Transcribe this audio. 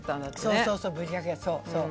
そうそうそうぶりかけそうそう。